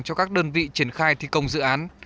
cho các đơn vị triển khai thi công dự án